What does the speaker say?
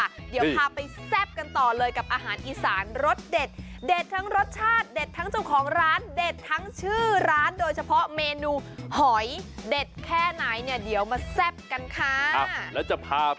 เดี๋ยวพาไปดูงานแต่งที่บ่าวสาวทำเองทุกอย่างเลยนะ